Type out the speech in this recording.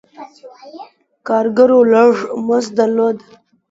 کارګرو لږ مزد درلود.